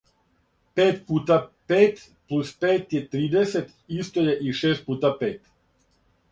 пет пута пет плус пет је тридесет исто је и шест пута пет.